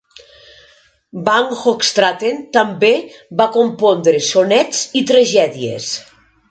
Van Hoogstraten també va compondre sonets i tragèdies.